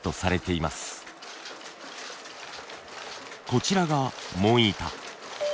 こちらが紋板。